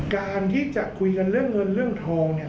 การที่จะคุยกันเรื่องเงินเรื่องทองเนี่ย